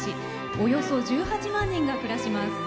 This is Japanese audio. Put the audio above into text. およそ１８万人が暮らします。